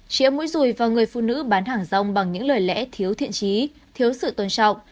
chia mũi rùi vào người phụ nữ bán hàng rong bằng những lời lẽ thiếu thiện trí thiếu sự tôn trọng